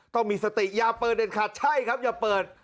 ต้องมีสติอย่าเปิดเด็ดขาดใช่ครับอย่าเปิด